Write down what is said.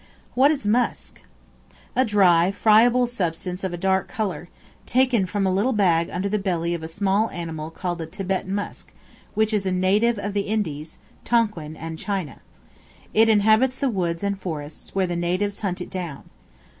What is Musk? A dry, friable substance of a dark color, taken from a little bag under the belly of a small animal called the Thibet Musk, which is a native of the Indies, Tonquin, and China. It inhabits the woods and forests, where the natives hunt it down.